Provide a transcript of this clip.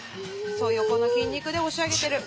そう横の筋肉で押し上げてる。